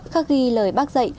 khắc ghi lời bác dạy